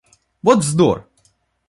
Вот вздор!